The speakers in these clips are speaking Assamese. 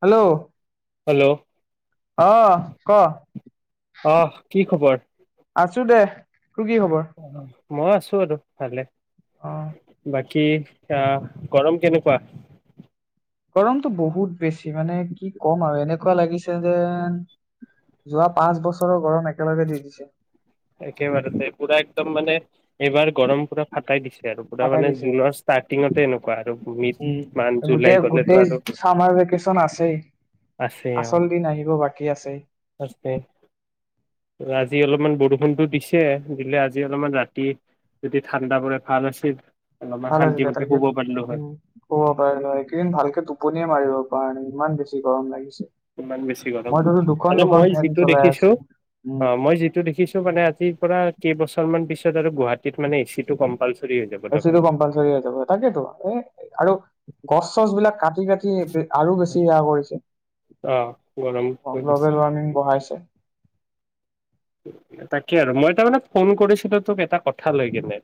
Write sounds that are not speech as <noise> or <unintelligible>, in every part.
হেল্ল' হেল্ল' অঁ ক আঁ অহ কি খবৰ আছো দে তোৰ কি খবৰ অ, মই আছো আৰু ভালে অঁ কি গৰম কেনেকুৱা গৰমতটো বহুত বেছি মানে কি ক'ম আৰু এনেকুৱা লাগিছে যেন যোৱা পাঁচ বছৰৰ গৰম একেলগে দি দিছে একেবাৰে দে পুৰা একদম মানে এইবাৰ গৰম পূৰা ফাটাই দিছে আৰু পূৰা পাকাই মানে দিছে জুনৰ ষ্টাৰ্টিঙতে এনেকুৱা আৰু উম ভূমিত মান গোটেই জুলাই গ'লেতো গোটেই আৰু চামাৰ ভেকেচন আছেই আছে আৰু আচল দিন আহিব বাকী আছেই আছে আজি অলপমান বৰষুণ ফোনটো দিছে দিলে আজি অলপমান ৰাতি যদি ঠাণ্ডা পৰে ভাল আছিল অলপমান ভাল শান্তি আছিলে মতে তাকে শুব পাৰিলো হয় উম ক'ব পাৰি ন এইকেইদিন ভালকে টোপনিয়ে মাৰিব প নে ইমান বেছি গৰম লাগিছে ইমান বেছি গৰম মইতো দুখন মানে দুখন মই ফেন যিটো চলাই দেখিছো আছো উম অঁ মই যিটো দেখিছো মানে আজিৰ পৰা কেইবছৰ মান পিছত আৰু গুৱাহাটীত মানে এ চি টো কম্পালচ ৰি এিটো কম্পালচ হৈ যাব তাকেতো আৰু গছ চছ বিলাক কাট কাটি কাটি আৰু হয়। বেছি সেয়া কৰিছে অ গৰম পৰি গৈছে। গ্ল'বেল ৱাৰ্মিং বঢ়াইছে তাকে আৰু মই তাৰ মে ফোন কৰিছিলো তোক এটা কথা লৈ কেনে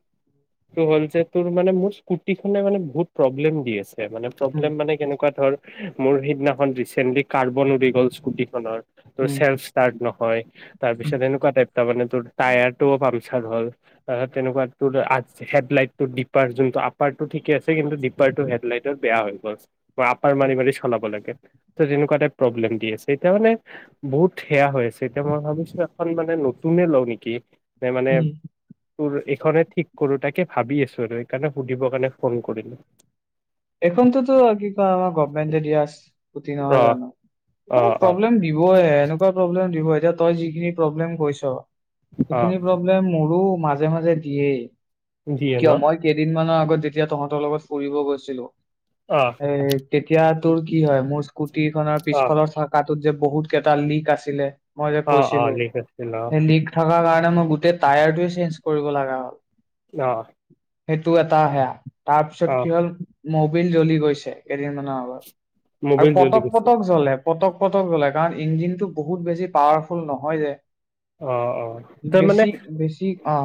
ত হ'ল যে তোৰ মানে মোৰ স্কুটিখনে মানে বহুত প্ৰব্লেম দি আছে মানে উম প্ৰব্লেম মানে কেনেকুৱা ধৰ মোৰ সেইদিনাখন ৰিচেন্টলি কাৰ্বন উৰি গ'ল স্কুটি খনৰ ত উম চ্ফ ষ্টাৰ্ট নহয় উম তাৰপিছত এনেকুৱা টাইপ মানে তোৰ টায়াৰ টোও পামচাৰ হ'ল তেনেকুৱা ত হেডলাইট টো ডপাৰ যোনটো আপাৰ টো ঠিকে আছে কিন্তু ডপাৰটো হেডলাইটত বেয়া হৈ গ'লছে বা আপাৰ উম, মাৰি মাৰি চলাব লাগে তেনেকুৱা এটা প্ৰব্লেম দি আছে এতিয়া মানে বহুত সেয়া হৈ আছে এতিয়া মই ভাবিছো খন মানে নতুনে লওঁ নেকি মানে উম। তোৰ এইখনে ঠিক কৰো তাকে ভাবি আছো আৰু এইকাৰণে সুধিব কাৰণে ফোন কৰিলো। এখনতোতো কি কয় আমাৰ গভমেটে হৈছে। স্কুটি নহয় অ জানো অ অ প্ৰব্লেম দিবইে এনেকুৱা প্ৰব্লেম দিবই। এতিয়া তই যিখিনি প্ৰব্লেম হৈছ। অ এইখিনি প্ৰব্লেম মোৰো মাজে। মাজে মাজে দিয়েই। যিয়ে কিয় ন মই কেইদিনমানানৰ আগত লগত যেতিয়া তহঁতৰ লগত ফুৰিব গৈছিলো। অ এ তেতিয়া তোৰ কি হয় মোৰ স্কুটি খনৰ অ পিছফালৰ চকাটোত যে বহুত কেইটা লিক আছিলে। মই যে অ অ কৈছিলো লিক আছিল অ লিগ থকা কাৰণ। মই গোটেই টায়াৰটয়ে চেঞ্জ কৰিব লগা হ'ল। অ সেইটো এটা সেয়া অ তাৰপিছত কি হ'ল মবিল জ্বলি গৈছে কেইদিনমানানৰ আগত। আৰু মোবাইল জ্বলি পটক গৈছিল পটক জ্বলে পটক। পটক গলে কাৰণ ইঞ্জিন টো বহুত বেছি পাৱাৰফুল নহয় যে অ অ ত মানে বেছি বেছি অ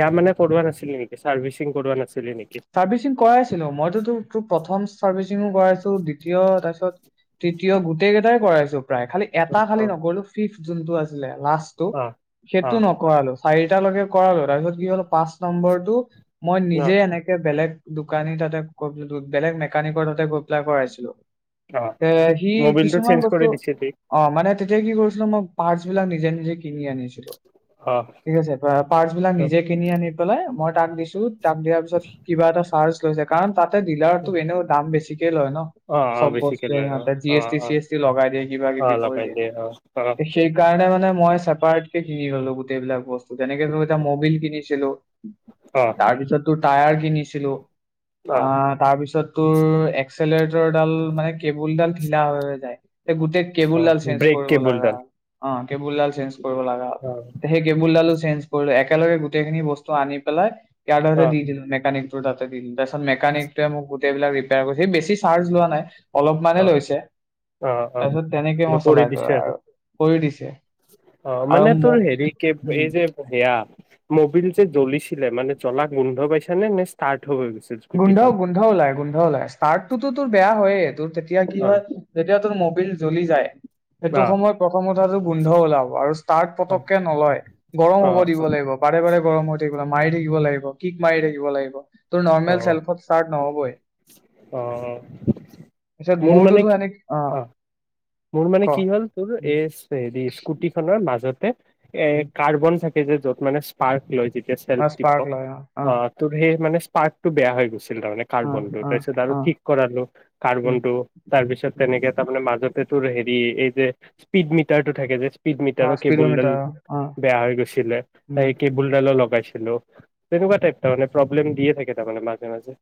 স মানে কৰ নাছিল নেকি চাৰ্ভিচিং কৰোবা নাছিল। চাৰভিৰ্চিং কৰাই ছিলো মই তো প্ৰথম। চাৰভি ছিং কৰাইছো দ্বিতীয় তাৰপিছত তৃতীয় গোটেই কেইটাই কৰাইছো। প্ৰায় খালি এটা অ খালি নগ'লো ফিফ। যোনটো আছিলে। লাষ্টটো অ অ সেইটো নকৰা লৈ। চাৰিটালৈকে কৰাল তাৰপিছত কি হল পাঁচ নম্বৰটো। মই ন নিজে এনেকে বেলেগ দোকানী তাতে গৈ বেলেগ মেকানিকৰ তাতে গৈ পেলা কৰাইছিলো। অ এ সি মবিলটো কিছুমান চেঞ্জ বস্তু কৰি দিছিলি অ মানে তেতিয়া কি কৰিছিলো মই পাৰ্ছ বিলাক নিজে নিজে কিনি আনিছো। অ অ পাচ বিলাক নিজৈই কিনি আনি পেলাই। তাক দিছো। তাক দিয়াৰ পিছত চাৰ্জ লৈছে কাৰণ তাত ডিলাৰতো এনেও দাম বেছি। লয় ন অ অ চব বেছিকে বস্তুৱে লয় অ সিহঁতে জি অ এছ টি অ চি এছ টি লগাই দিয়ে কিবা অ কিবি কৰি লগাই দিয়ে অ অ সেইকাৰণে মানে মই চেপাৰেট কে কিনি গলো গোটেইবিলাক বস্তু যেনেকে এটা মবিল কিনিছিলো। অ তাৰপিছত তোৰ টায়াৰ কিনিছিলো অ তাৰ তাৰপিছত তোৰ এক্সলেৰেটৰডাল মানে কেবুলডাল ঢিলা হৈ হৈ যায় এ গোটেই অ কেবুলডাল চেঞ্জ ব্ৰেক কৰিব লাগা কেবুলডাল অ কেবুলডাল চেঞ্জ কৰিব লগা হল অ সেই কেবুলডালো চেঞ্জ কৰিলো একেলগে গোটেইখিনি বস্তু আনি পেলাই ইয়াৰ কাৰণে অ দি দিলোঁ নেট মেকানিক টোৰ তাতে দিলো তাৰপিছত মেকানিকটোৱে মোক গোটেইবোৰ ৰিপেয়াৰ কৰিছে সি বেছি চাৰ্জ লোৱা নাই অ অলপমানে লৈছে অ অ তাৰপিছত তেনেকে মই কৰি চলাই ত দিছে আৰু কৰি দিছে অ মানে আৰু তোৰ হেৰি মোক কে উম। এই যে সেয়া মবিল যে জ্বলিছিলে মানে জ্বলাক গোন্ধ পাইছা নে ষ্টাৰ্ট হৈ হৈ গৈছিল গোন্ধও স্কুটিখন গোন্ধ ওলাই গোন্ধ ওলাই ষ্টাৰ্টটোতো তোৰ বেয়া হয়য়ে। তেতিয়া কি অ হয় যেতিয়া তোৰ মবিল জ্বলি যায় সেইটো অ সময়ত প্ৰথম কথাটোৰ গোন্ধ ওলাব আৰু ষ্টাৰ্ট পতককে নলয় গৰম অ হ'ব দিব লাগিব বাৰে বাৰে। গৰম হৈ থাকিবলৈ মাৰি থাকিব লাগিব কিক মাৰি থাকিব লাগিব। ত অ নৰ্মেল। শ্বেলফত ষ্টাৰ্ট নহবই অ পিছত মোৰ মানে মোৰটো কি এনেকে অ মোৰ মানে কি হ'ল তোৰ এই হেৰি স্কুটি খনৰ মাজতে এ কাৰ্বন থাকে যে য'ত মানে স্পাৰ্ক লৈ যি অ সেলফ স্পাৰ্ক টিপক লয় অ ত সেই মানে পাৰ্কটো বেয়া হৈ গৈছে। তাৰে অ কাৰ্বন টো অ তাৰপিছত আৰু অ ঠিক কৰালো কাৰ্বন টো তাৰপিছত তেনেকে তাৰমানে মাজত হেৰি এই যে স্পীড মিটাৰ টো থাকে যে। স্পীড অ মিটাৰৰ কেবুলডাল স্পীডমিটাৰ অ বেয়া হৈ গৈছিলে অ সেই কেবুলডালো লগাই। তেনেকুৱা টাইপ মানে প্ৰব্লেম দিয়ে থাকে তাৰমানে মাজে মাজে।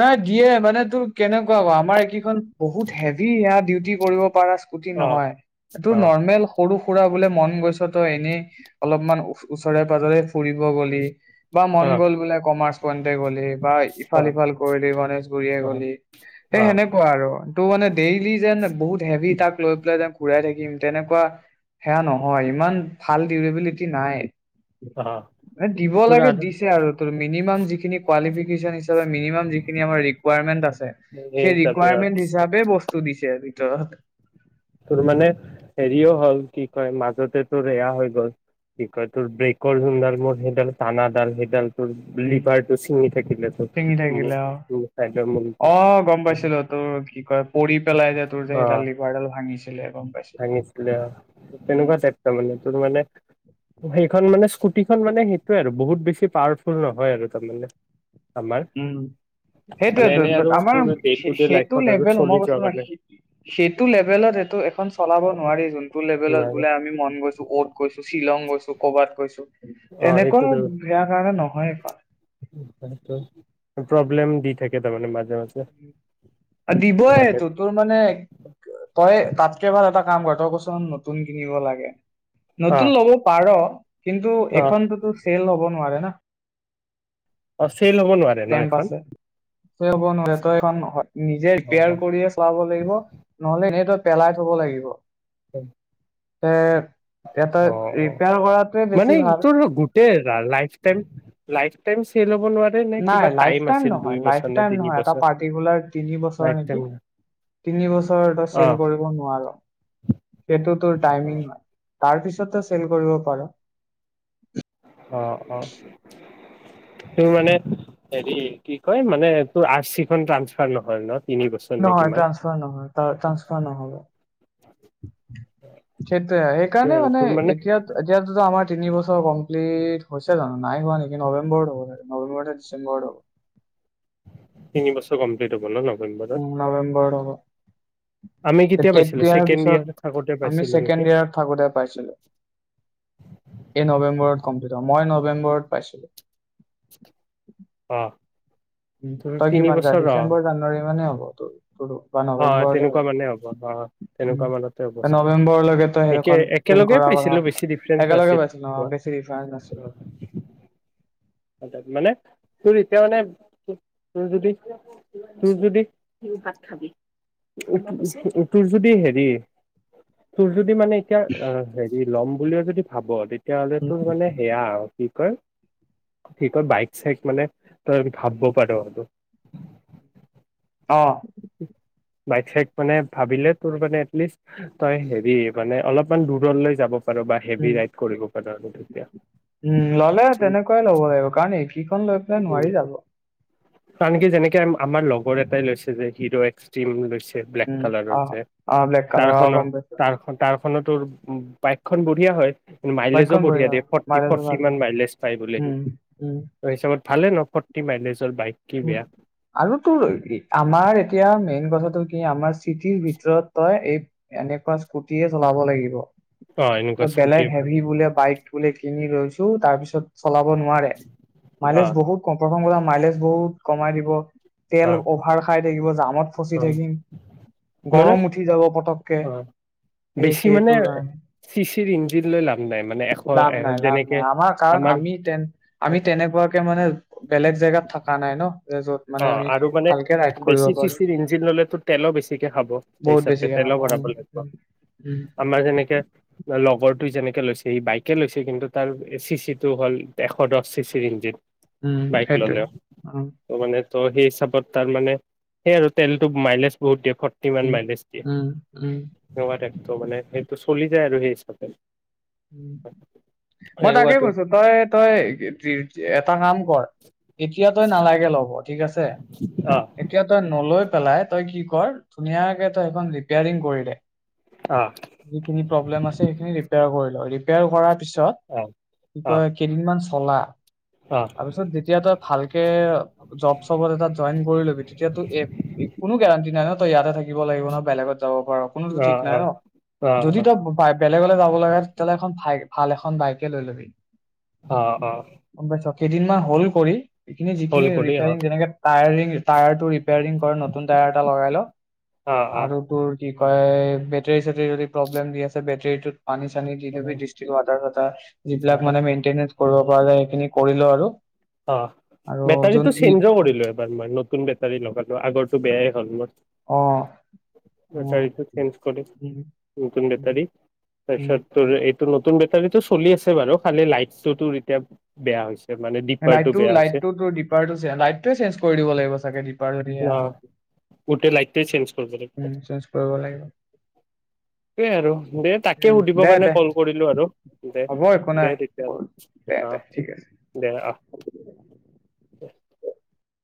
নাই দিয়ে মানে তোৰ কেনেকুৱা হ আমাৰ এই কেইখন। বহুত হেভি ডিউটি কৰিব পাৰা স্কুটি অ নহয় এইটো অ নৰ্মেল সৰু। ফুৰা বোলে মন গৈছ তই এনেই অলপমান ওচৰে পাজৰে ফুৰিব গলি। বা মন অ গ'ল বোলে কমাৰ্চ পইণ্টে গলি বা অ ইফাল- সিফাল, পৰহিলে গণেশগুৰীয়ে অ গলি অ সেই সেনেকুৱা আৰু তোৰ মানে ডেইলি যে, - যে, বহুত হেভি তাক লৈ পেলাই যেন ঘুৰাই থাকিম তেনেকুৱা সেয়া নহয়, ইমান ভাল ডেলিবিলিটি নাই। অ দিব তোৰ লাগে আৰু দিছে আৰু মিনিমাম যিখিনি কোৱালিফিকেচন হিচাপে মিনিমাম, যিখিনি আমাৰ ৰিকুৱাৰমেণ্ট আছে সেই হিচাপে আৰু ৰিকুৱাৰমেণ্ট দিছে হিচাপে বস্তু দিছে, তাত তোৰ মানে হেৰিও হ'ল কি কয়- মাজতে তোৰ এয়া হৈ গ'ল কি কয়, তোৰ ব্ৰেকৰ যোনডাল মোৰ সেইডাল টানাডাল সেইডাল, তোৰ উম, লিভাৰটো ছিঙি থাকিলে তোৰ চিঙি থাকিলে অ', চাইডৰ মূৰটো -অহ ', গম পাইছিলো তোৰ কি কয় পৰি পেলাই যে তোৰ যে অ সেইডাল লিভাৰডাল ভাঙিছিল। <unintelligible> ভাঙিছিলে অহ ', তেনেকুৱা টাইপ ত মানে তোৰ মানে, সেইখন মানে স্কুটিখন মানে, সেইটোৱে আৰু বহুত বেছি পাৱাৰফুল নহয় আৰু তাৰমানে। আমাৰ উম, মানে সেইটোৱেটো এনে আৰু আমাৰ তোৰ ডে টু ডে সেইটো লাইফত আৰু লেভেল চলি মই যোৱাৰ কৈছো ৰাখিবি সেইটো লেভেলত এইটো এখন চলাব, নোৱাৰি জুন, - লেবেলত কাৰণে বোলে আমি মন গৈছো, কত গৈছো। শ্বিলং গৈছো, ক'বাত গৈছো। অ সেইটো তেনেকুৱা বেয়া কাৰণে নহয়, এইখন। প্ৰব্লেম দি থাকে তাৰমানে, মাজে- মাজে দিবয়েটো, তোৰ মানে তইয়ে, তাতকে ভাল এটা কাম কৰ তই কছুন নতুন কিনিব লাগে। অ নতুন ল'ব পাৰ। কিন্তু অ এখনততো চেল হব নোৱাৰে না ', <inaudible> অষ্ট্ৰেল হব নোৱাৰে ন', এখন? পাছে <unintelligible> নিজে অ কেয়াৰ কৰিয়ে চলাব লাগিব, নহলে এনেই তো, পেলাই থব লাগিব। উম, এ', অ', - অ ', বেছি মানে ভাল তোৰ গোটেই লাইফ-টাইম- -লাইফ, টেম চেল হব। নোৱাৰে নে নাই কিবা লাইফ -টাইম আছিল দুই নহয়, লাইফ বছৰ নে -টাইম তিনি নহয় এটা বছৰ পাৰ্তিকুলাৰ তিনি বছৰ লাইফ নিকি, টাইম তিনি বছৰ তই অ চেল কৰিব নোৱাৰ কিন্তু তোৰ টাইমিং হয়। তাৰ পিছত তই চেল কৰিব পাৰ। অহ ', - অহ ', তোৰ মানে হেৰি কি কয় মানে, তোৰ আৰ -চিখন ট্ৰানচ ফাৰ নহয় ন',? তিনি বছৰ নে নহয় কিমান ট্ৰানসফাৰ নহয় ট্ৰানসফাৰ নহব সেইটোৱে, সেইকাৰণে মানে এতিয়া এতিয়াতো আমাৰ তিনি বছৰ কমপ্লিট হৈছে জানো নাই হোৱা নেকি নৱেম্বৰত হ'ব নৱেম্বৰতে ডিচেম্বৰত হ'ব। তিনি বছৰ কমপ্লিট হ'ব নহ? নৱেম্বৰত হ'ব আমি কেতিয়া পাইছিলো তেতিয়াৰ ছেকেণ্ড ইয়েৰ পিছত থাকোতে আমি পাইছিলো নেকি ছেকেণ্ডইয়েৰত থাকোঁতে পাইছিলো। এই নৱেম্বৰত কম্পিলিট হ'ব। মই নৱেম্বৰত পাইছিলোঁ। অহ উম তই কিমান <unintelligible> ডিচেম্বৰ জানুৱাৰী মানে হ'ব তোৰ তোৰো। বা হয় হয় নৱেম্বৰতে তেনেকুৱা মানে হ'ব হয় উম, তেনেকুৱা মানতে হ'ব তে ছাগে। নৱেম্বৰলৈকে তই একে সেইখন ফিল একেলগে কৰা কথা পাইছিলো বেছি ডিফাৰেঞ্চ একেলগে নাছিল পাইছিলো অ পোৱা বেছি ডিফাৰেঞ্চ নাছিলে মানে তোৰ এতিয়া মানে তোৰ যদি তোৰ ভাত খাবি তোৰ যদি হেৰি তোৰ যদি মানে এতিয়া হেৰি ল'ম বুলিও যদি ভাব তে তেতিয়াহ'লে উম, তোৰ মানে সেয়া আৰু কি কয়। কি কই বাইক চাইক মানে তই ভাবিব পাৰ। অহ বাইক চাইক মানে ভাবিলে তোৰ মানে এটলিষ্ট তই হেৰি মানে অলপমান দূৰলৈ যাব পাৰ বা হেভি উম ৰাইড কৰিব পাৰ আৰু তেতিয়া উম ললে উম তেনেকুৱাই লব লাগিব কাৰণ এইকেইখন লৈ পেলাই নোৱাৰি যাব। আনকি যেনেকে আমাৰ লগৰ এটাই লৈছে যে হিৰো এক্সটিম লৈছে। বিলেক উম, কালাৰ অ', যে অ', ব্লেক তাৰ কালাৰ অ', খনত গম পাইছোঁ। তাৰ খন এইখনো তোৰ বাইকখন বঢ়িয়া হয়। কিন্ত মাইলেজো বাইকখন বঢ়িয়া দিয়ে ফৰ্টি মাইলেজো ফৰ্টি ভাল মান দিয়ে। মাইলেজ পায় বুলিহে। উম, উম। হিচাপত ভালে ফৰটি মাইনেচৰ বাইক কি বেয়া আৰু তোৰ আমাৰ এতিয়া মেইন কথাটো কি কি আমাৰ চিটিৰ ভিতৰত তই এই এনেকুৱা স্কুটি চলাব লাগিব অ এনেকুৱা স্কুটিয়ে বেলেগ ভাল হেভি বোলে বাইক বোলে কিনি ৰৈছো তাৰপিছত চলাব নোৱাৰে অ মাইলেজ বহুত কম প্ৰথ মাইলেজ বহুত কমাই দিব তেল অ অভাৰ খাই থাকিব জামত ফচি অ থাকিম, মানে গৰম উঠি যাব পতক তে, অ বেছি সেইটো মানে কাৰনে চি চিৰ ইঞ্জিন লৈ লাভ নাই মানে এশ লাভ এ নাই লাভ যেনেকে নাই আমাৰ কাৰণ আমি তে আমি তেনেকুৱাকে মানে বেলেগ জেগাত থাকো থকা নাই নহ অহ আৰু মানে বেছি চি পাৰো। চিৰ ইঞ্জিন ললেতো তেলো বেছিকে খাব সেই বহুত হিচাপে বেছিকে তেলো খাব উম, ভৰাব লাগিব। উম। উম, আমাৰ যেনেকে লগৰ টোৱে, যেনেকে লৈছে সি বাইকে লৈছে কিন্তু তাৰ চি চি টো হ'ল এশ দহ চি চিৰ ইঞ্জিন। উম বাইক সেইটোৱে ললেও অহ ত মানে ত সেই হিচাপত তাৰ মানে সেই আৰু তেলটো মাইমাছ বহুত দ ফৰটিওৱান উম, মাইনাছ দি উম, উম, ন দে ত' মানে সেইটো চলি যায় আৰু সেই হিচাপে মই তাকে সেনেকুৱাটো কৈছোঁ তই তই এটা কাম কৰ এতিয়া তই নালাগে লগত ঠিক আছে অ এতিয়া তই নলৈ- পেলাই তই কি কৰ ধুনীয়াকে তই সেইখন ৰিপাৰিং কৰি দে অ যিখিনি প্ৰব্লেম আছে সেইখিনি ৰিপয়াৰ কৰি' ৰিপেয়াৰ কৰা- পিছত অ কি অ কেইদিনমান চলা অ তাৰপিছত যেতিয়া তই ভালকে জব চবত এটা জইন কৰি ল'বি তেতিয়া তো কোনো গেৰাণ্টি নাই ন তো ইয়াতে থাকিব লাগিব ন বেলেগত যাব পাৰ কোনো তো ঠিক নাই অ ন অ যদি অ তই বেলেগলে যাব লাগে ভ ভাল এখন বাইকে লৈ ল'বি অ অ গম পাইছ কেইদিনমান হল কৰি এইখিনি যিখিনি হ'ল কৰি অ ৰিপেয়াৰিং যেনেকে টায়াৰিং টায়াৰ টো ৰেপাইৰিং কৰা নতুন টায়াৰ এটা লগাই ল অ অ আৰু তোৰ কি কয় বেটেৰী চেটৰী যদি প্ৰব্লেম দি আছে বেটেৰীটোত পানী দি যাবি ডিষ্টাইল ৱাটাৰ এটা যিবিলাক মানে মেইনটেইন কৰিব পৰা যায় সেইখিনি কৰি ল আৰু অ আৰু যোন বেটাৰীটো চেঞ্জো কৰিলো এবাৰ মই নতুন বেটাৰী লগালো আগ বেয়ায়ে হল মত অ উম, বেটাৰীটো চেঞ্জ কৰে নতুন উম, বেটাৰী উম। তাৰপাছত এই নতুন বেটাৰীটো চলি আছে বাৰু খালে লাইটশ্বটোতোৰ এতিয়া বেয়া হৈছে মানে। ডিপাৰটো লাইটো বেয়া হৈছে লাইটটোতো ডিপাৰটোতো চে লাইটটোৱে চেঞ্জ কৰি দিব লাগিব চাগে, ডিপাৰ যদি সেয়া ন হয়। গোটেই লাইটটোৱে চেঞ্জ কৰিব লাগিব উ চেঞ্জ কৰিব লাগিব সেইটোৱে আৰু দে উ তাকে সুধিবৰ দে কাৰণে দে কল কৰিলো আৰু দে হব একো দে নাই তেতিয়াহ'লে দে অ দে ঠিক আছে। অ দে